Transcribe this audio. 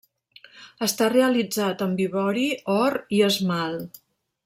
Està realitzat amb ivori, or i esmalt.